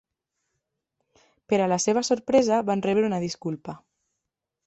Per a la seva sorpresa, van rebre una disculpa.